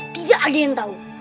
tidak ada yang tahu